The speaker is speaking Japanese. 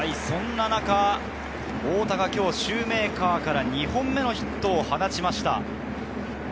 そんな中、太田がシューメーカーから２本目のヒットを放ちました。